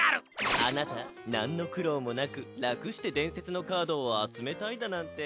あなたなんの苦労もなくラクして伝説のカードを集めたいだなんて。